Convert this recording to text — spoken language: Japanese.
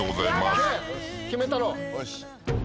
決めたろ。